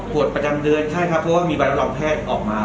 ประจำเดือนใช่ครับเพราะว่ามีใบรับรองแพทย์ออกมา